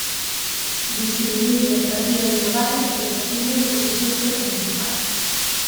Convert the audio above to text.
Distribuir las partidas globales que les asigne el presupuesto municipal.